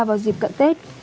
vào dịp cận tết